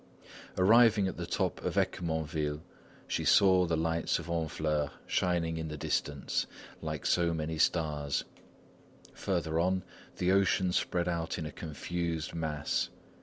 Arriving at the top of Ecquemanville, she saw the lights of Honfleur shining in the distance like so many stars; further on, the ocean spread out in a confused mass.